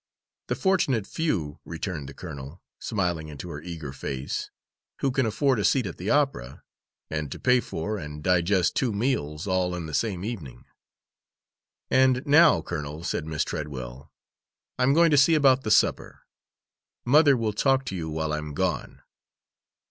"The fortunate few," returned the colonel, smiling into her eager face, "who can afford a seat at the opera, and to pay for and digest two meals, all in the same evening." "And now, colonel," said Miss Treadwell, "I'm going to see about the supper. Mother will talk to you while I am gone."